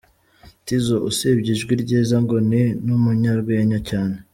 Tizzo : Usibye ijwi ryiza, ngo ni n’umunyarwenya cyane.